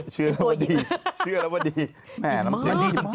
เชื่อแล้วว่าดี